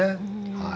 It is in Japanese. はい。